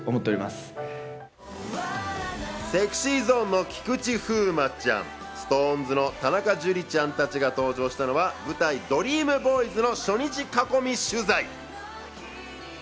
ＳｅｘｙＺｏｎｅの菊池風磨ちゃん、ＳｉｘＴＯＮＥＳの田中樹ちゃん達が登場したのは舞台『ＤＲＥＡＭＢＯＹＳ』の初日囲み取材。